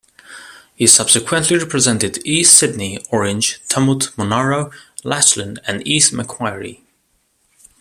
He subsequently represented East Sydney, Orange, Tumut, Monaro, Lachlan and East Macquarie.